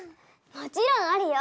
もちろんあるよ。